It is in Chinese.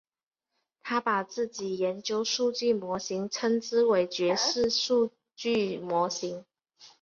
他把自己研究数据模型称之为角色数据模型。